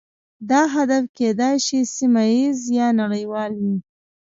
دا هدف کیدای شي سیمه ایز یا نړیوال وي